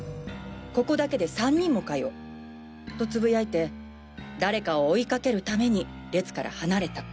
ここだけで３人もかよ」とつぶやいて誰かを追いかけるために列から離れた。